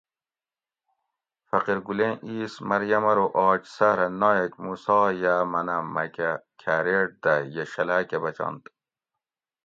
فقیر گلیں ایس مریم ارو آج ساۤرہ نایٔک موسیٰ یا منہ مکہ کھاریٹ دہ یہ شلاۤ کہ بچنت